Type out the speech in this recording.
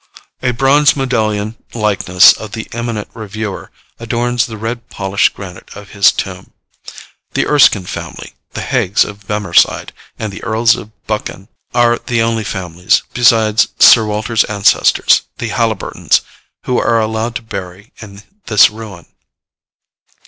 A bronze medallion likeness of the eminent reviewer adorns the red polished granite of his tomb. The Erskine family, the Haigs of Bemerside, and the earls of Buchan, are the only families, besides Sir Walter's ancestors, the Haliburtons, who are allowed to bury in this ruin.